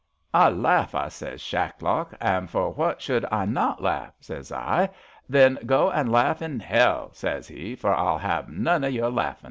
' I laugh,' I sez, * Shacklock, an' for what should I not laugh? ' sez I. * Then go an' laugh in Hell,' sez 'e, * for I'll 'ave none of your laughin'.'